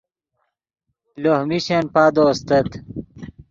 لوہ میشن پادو استت